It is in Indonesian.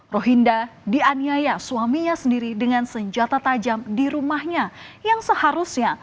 rohinda dianiaya suaminya sendiri dengan senjata tajam di rumahnya yang seharusnya